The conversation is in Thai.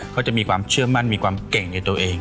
เขาจะมีความเชื่อมั่นมีความเก่งในตัวเอง